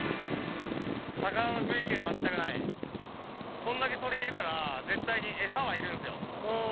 こんだけ鳥いるから絶対にエサはいるんですよ。